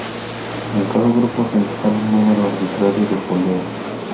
En cada grupo se instala un número arbitrario de poleas.